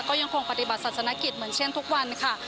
ก็ยังคงปฏิบัติศาสนกิจเหมือนเช่นทุกวันค่ะ